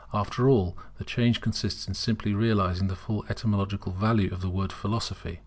After all, the change consists simply in realizing the full etymological value of the word Philosophy.